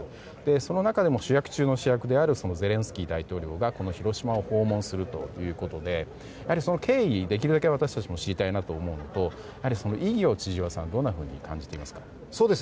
その中でも主役中の主役であるゼレンスキー大統領がこの広島を訪問するということでその経緯、できるだけ私たちも知りたいなと思うのとその意義は、千々岩さんどんなふうに感じていますか？